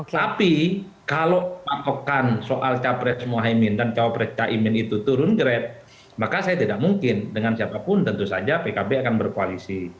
tapi kalau patokan soal capres mohaimin dan cawapres caimin itu turun grab maka saya tidak mungkin dengan siapapun tentu saja pkb akan berkoalisi